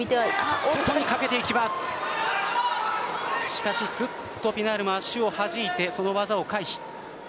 しかしピナールも足をはじいてその技を回避。